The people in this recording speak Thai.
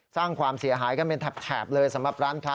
สร้างความเสียหายกันเป็นแถบเลยสำหรับร้านค้า